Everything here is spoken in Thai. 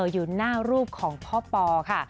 อยู่หน้ารูปของพ่อปอค่ะ